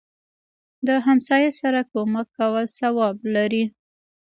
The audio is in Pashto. دهمسایه سره کومک کول ثواب لري